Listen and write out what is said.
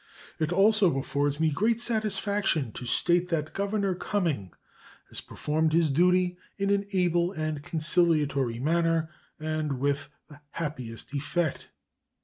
It also affords me great satisfaction to state that Governor Cumming has performed his duty in an able and conciliatory manner and with the happiest effect.